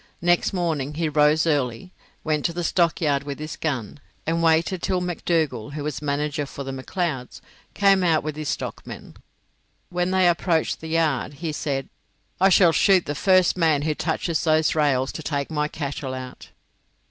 Next morning he rose early, went to the stockyard with his gun, and waited till McDougall, who was manager for the McLeods, came out with his stockmen. When they approached the yard he said: "I shall shoot the first man who touches those rails to take my cattle out."